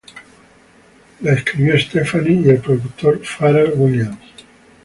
La escribió Stefani y el productor Pharrell Williams.